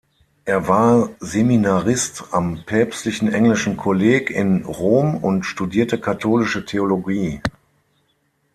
Er war Seminarist am Päpstlichen Englischen Kolleg in Rom und studierte Katholische Theologie.